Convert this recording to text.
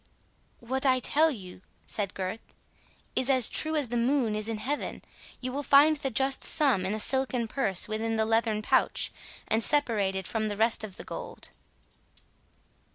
"What I tell you," said Gurth, "is as true as the moon is in heaven. You will find the just sum in a silken purse within the leathern pouch, and separate from the rest of the gold."